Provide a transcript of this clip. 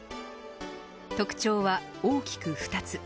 特徴は大きく２つ。